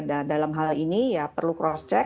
dan dalam hal ini ya perlu cross check